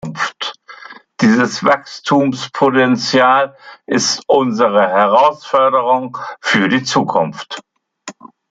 Dieses Wachstumspotential ist unsere Herausforderung für die Zukunft!